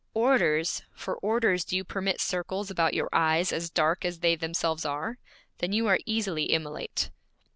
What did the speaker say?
'Orders! For orders do you permit circles about your eyes as dark as they themselves are? Then you are easily immolate!'